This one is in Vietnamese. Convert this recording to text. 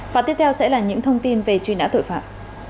và tiếp theo sẽ là những thông tin về truy nã tội phạm